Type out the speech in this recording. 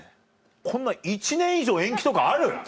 こんな１年以上延期とかある？